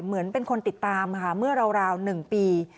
เหมือนเป็นคนติดตามค่ะเมื่อราว๑ปี